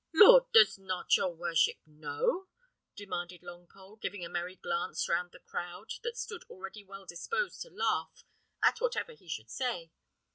"Lord! does not your worship know?" demanded Longpole, giving a merry glance round the crowd, that stood already well disposed to laugh at whatever he should say.